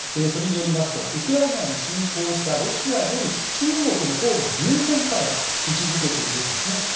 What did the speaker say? それによりますとウクライナに侵攻したロシアより中国のほうが優先課題と位置付けているんですね。